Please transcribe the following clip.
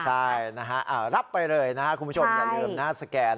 ใช่นะฮะรับไปเลยนะครับคุณผู้ชมอย่าลืมนะสแกน